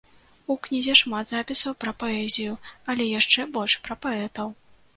У кнізе шмат запісаў пра паэзію, але яшчэ больш пра паэтаў.